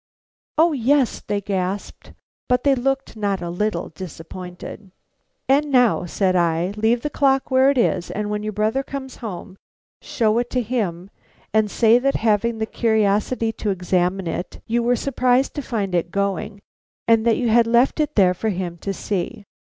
"O yes," they gasped, but they looked not a little disappointed. "And now," said I, "leave the clock where it is, and when your brother comes home, show it to him, and say that having the curiosity to examine it you were surprised to find it going, and that you had left it there for him to see.